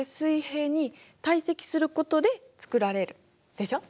でしょ？